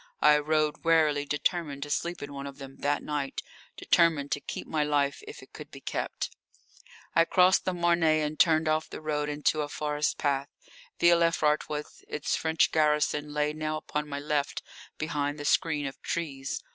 I rode warily, determined to sleep in one of them that night, determined to keep my life if it could be kept. I crossed the Marne and turned off the road into a forest path. Ville Evrart with its French garrison lay now upon my left behind the screen of trees.